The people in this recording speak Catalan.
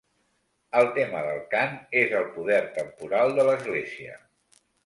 El tema del cant és el poder temporal de l'església.